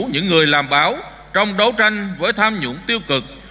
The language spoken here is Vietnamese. những người làm báo trong đấu tranh với tham nhũng tiêu cực